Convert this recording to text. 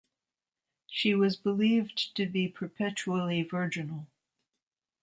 She was believed to be perpetually virginal.